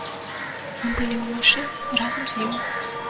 Мы былі ў машыне разам з ёй.